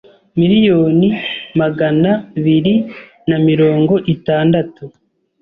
miliyoni mahgana biri na mirongo itandatu